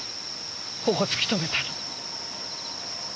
ここ突き止めたの。